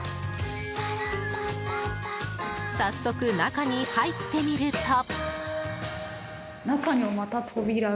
早速、中に入ってみると。